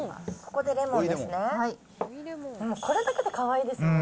これだけでかわいいですもんね。